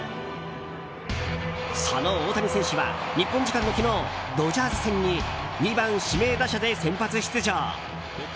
その大谷選手は日本時間の昨日ドジャース戦に２番指名打者で先発出場。